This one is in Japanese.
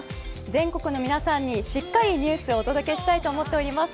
全国の皆さんにしっかりニュースをお届けしたいと思っております。